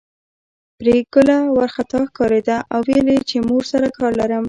پري ګله وارخطا ښکارېده او ويل يې چې مور سره کار لرم